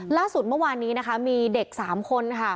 ล่าสุดเมื่อวานนี้นะคะมีเด็ก๓คนค่ะ